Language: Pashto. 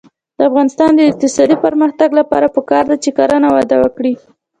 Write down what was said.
د افغانستان د اقتصادي پرمختګ لپاره پکار ده چې کرنه وده وکړي.